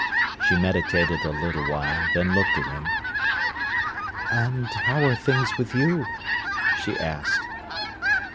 She meditated a little while, then looked at him. "And how are things with you?" she asked.